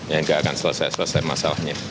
ya enggak akan selesai selesai masalahnya